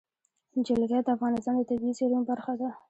جلګه د افغانستان د طبیعي زیرمو برخه ده.